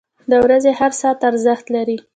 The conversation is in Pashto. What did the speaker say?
• د ورځې هر ساعت ارزښت لري.